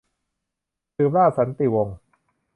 สืบราชสันตติวงศ์